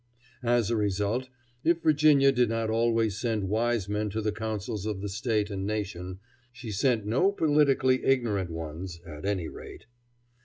As a result, if Virginia did not always send wise men to the councils of the State and nation, she sent no politically ignorant ones at any rate.